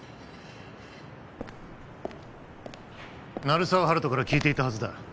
鳴沢温人から聞いていたはずだ